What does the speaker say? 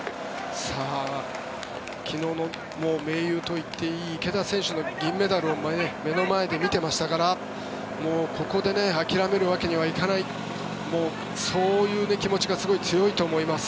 昨日の盟友といっていい池田選手の銀メダルを目の前で見ていましたからここで諦めるわけにはいかないそういう気持ちがすごい強いと思います。